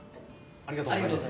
ありがとうございます。